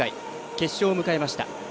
決勝を迎えました。